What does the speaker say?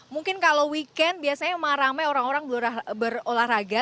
mungkin kalau weekend biasanya memang ramai orang orang berolahraga